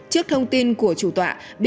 trước thông tin của chủ tọa